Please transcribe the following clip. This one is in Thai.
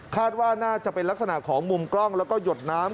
ว่าน่าจะเป็นลักษณะของมุมกล้องแล้วก็หยดน้ำ